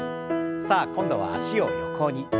さあ今度は脚を横に。